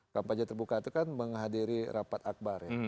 kampanye terbuka itu kan menghadiri rapat akbar ya